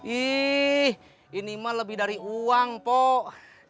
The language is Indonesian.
ih ini mah lebih dari uang po